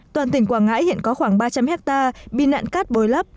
toàn tỉnh quảng ngãi hiện có khoảng ba trăm linh hectare bị nạn cát bồi lấp